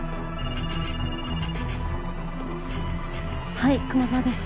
はい熊沢です。